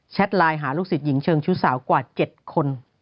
ไลน์หาลูกศิษย์หญิงเชิงชู้สาวกว่า๗คน